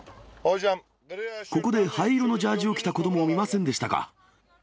ここで灰色のジャージを着た子どもを見ませんでしたか？